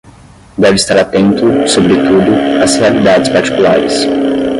deve estar atento, sobretudo, às realidades particulares